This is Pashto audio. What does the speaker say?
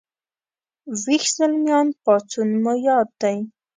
ويښ زلميان پاڅون مو یاد دی